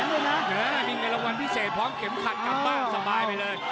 มีงานละวัลพิเศษพร้อมเข็มคันกลับบ้างสบายไปเลย